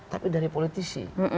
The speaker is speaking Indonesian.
tapi dari politisi